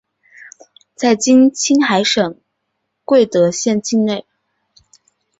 在今青海省贵德县境内。